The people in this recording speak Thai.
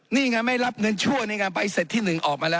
นี่ไงไม่รับเงินชั่วนี่ไงใบเสร็จที่๑ออกมาแล้ว